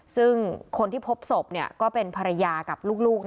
ซึ่งคนที่พบศพก็เป็นภรรยากับลูก